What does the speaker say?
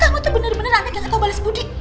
kamu tuh bener bener anak yang gak tau bales budi